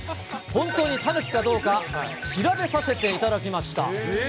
本当にタヌキかどうか調べさせていただきました。